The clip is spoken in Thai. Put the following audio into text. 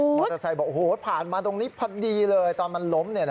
มอเตอร์ไซค์บอกโอ้โหผ่านมาตรงนี้พอดีเลยตอนมันล้ม